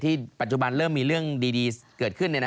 ที่ปัจจุบันเริ่มมีเรื่องดีเกิดขึ้นเลยนะฮะ